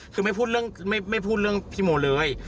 คือไม่พูดเรื่องพี่โมเลย